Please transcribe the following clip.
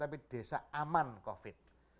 tapi desa aman covid